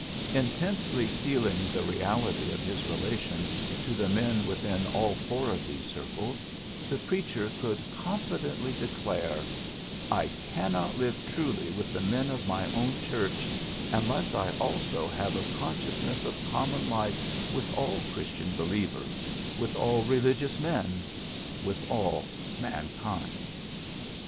Intensely feeling the reality of his relation to the men within all four of those circles, the preacher could confidently declare, ^^I cannot live truly with the men of my own Church unless I also have a con sciousness of common life with all Chris tian believers, with all religious men, with all mankind.